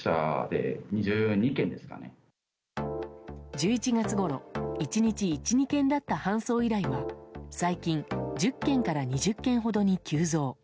１１月ごろ１日１２件だった搬送依頼は最近１０件から２０件ほどに急増。